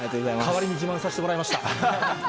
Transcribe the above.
代わりに自慢させてもらいました。